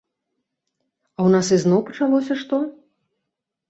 А ў нас ізноў пачалося што?